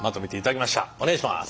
お願いします。